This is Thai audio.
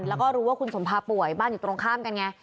แล้วก็รู้ว่าคุณสมภาป่วยบ้านอยู่ตรงข้ามกันไง